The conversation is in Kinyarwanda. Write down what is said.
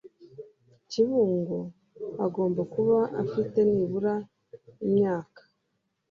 Kibungo Agomba kuba afite nibura imyaka